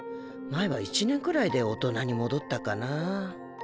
前は１年くらいで大人に戻ったかな。